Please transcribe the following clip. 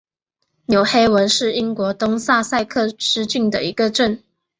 纽黑文是英国东萨塞克斯郡的一个镇。